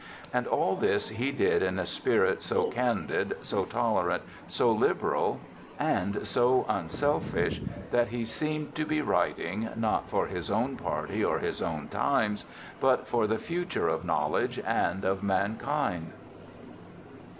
And all this he did in a spirit so candid, so tolerant, so liberal, and so unselfish, that he seemed to be writing, not for his own party or his own times, but for the future of know ledge and of mankind.'